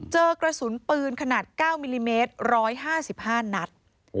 เจอกระสุนปืนขนาด๙มิลลิเมตร๑๕๕นัด